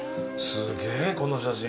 すげえ、この写真。